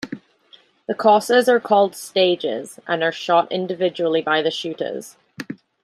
The courses are called "stages", and are shot individually by the shooters.